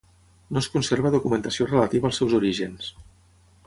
No es conserva documentació relativa als seus orígens.